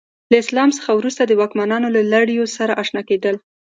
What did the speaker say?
له اسلام څخه وروسته د واکمنانو له لړیو سره اشنا کېدل.